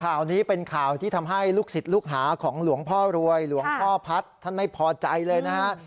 ข่าวนี้เป็นข่าวที่ทำให้ลูกศิษย์ลูกหาของหลวงพ่อรวยหลวงพ่อพัฒน์ท่านไม่พอใจเลยนะฮะ